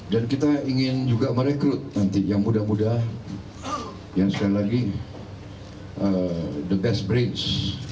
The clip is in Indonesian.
dan kita ingin juga merekrut nanti yang muda muda yang sekali lagi the best brains